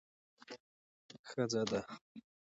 ښځه ده.